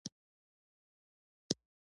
بوټي په کې یو نیم ځای ښکاري.